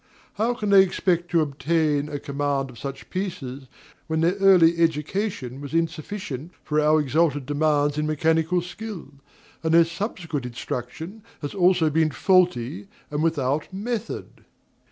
How can they expect to obtain a command of such pieces, when their early education was insufficient for our exalted demands in mechanical skill, and their subsequent instruction has also been faulty and without method?